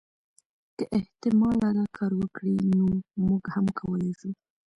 که احتمالا دا کار وکړي نو موږ هم کولای شو.